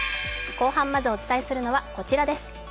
後半まずお伝えするのは、こちらです。